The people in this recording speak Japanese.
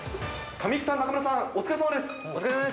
神木さん、中村さん、お疲れさまです。